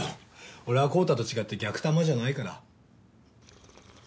俺は昂太と違って逆玉じゃないから。